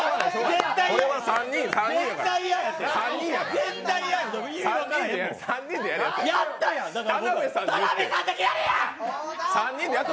絶対嫌やて。